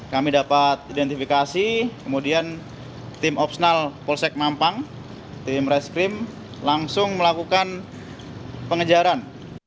kami dapat identifikasi kemudian tim opsnal polsek mampang tim reskrim langsung melakukan pengejaran